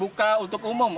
buka untuk umum